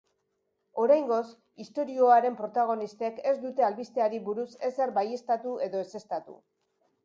Oraingoz, istorioaren protagonistek ez dute albisteari buruz ezer baieztatu edo ezeztatu.